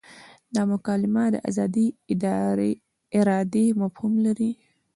دا مکالمه د ازادې ارادې مفهوم لري.